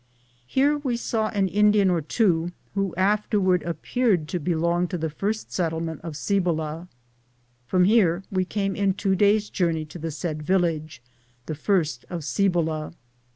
Here we saw an Indian or two, who afterward appeared to belong to the first settlement of Cibola, From here we came in two days' journey to the said Tillage, the first of Cibola.